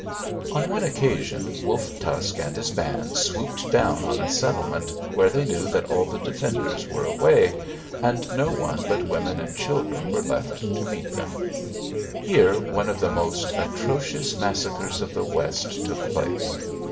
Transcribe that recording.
"On one occasion Wolf Tusk and his band swooped down on a settlement where they knew that all the defenders were away, and no one but women and children were left to meet them. Here one of the most atrocious massacres of the West took place.